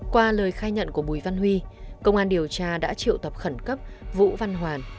qua lời khai nhận của bùi văn huy công an điều tra đã triệu tập khẩn cấp vũ văn hoàn